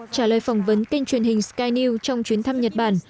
trả lời phỏng vấn kênh truyền hình sky news trong chuyến thăm nhật bản